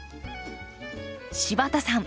柴田さん